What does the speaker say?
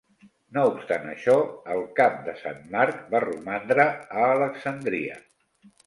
No obstant això, el cap de Sant Marc va romandre a Alexandria.